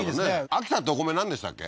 秋田ってお米なんでしたっけ？